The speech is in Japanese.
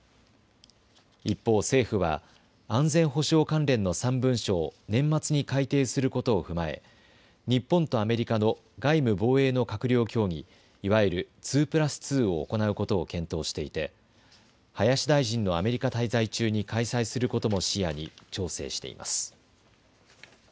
一方、政府は安全保障関連の３文書を年末に改定することを踏まえ日本とアメリカの外務・防衛の閣僚協議、いわゆる２プラス２を行うことを検討していて林大臣のアメリカ滞在中に開催することも視野に調整しています。